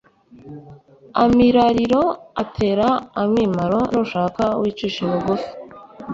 Amirariro atera amimaro nushaka wicishe bugufi.